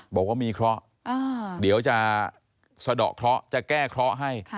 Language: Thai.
บอกว่ามีเคราะห์เดี๋ยวจะสะดอกเคราะห์จะแก้เคราะห์ให้